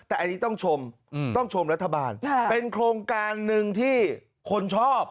แต่อันนี้ต้องชมต้องชมรัฐบาลเป็นโครงการหนึ่งที่คนชอบ